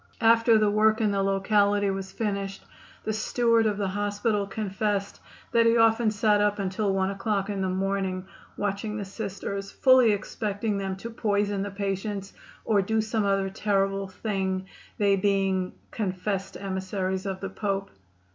After the work in the locality was finished, the steward of the hospital confessed that he often sat up until 1 o'clock in the morning watching the Sisters, fully expecting them to poison the patients, or do some other terrible thing, they being "confessed emissaries of the Pope."